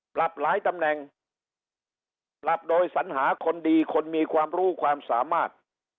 ปรับหลายตำแหน่งปรับโดยสัญหาคนดีคนมีความรู้ความสามารถ